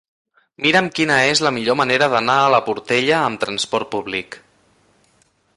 Mira'm quina és la millor manera d'anar a la Portella amb trasport públic.